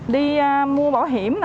đi mua bảo hiểm